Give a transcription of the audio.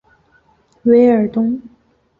韦尔东。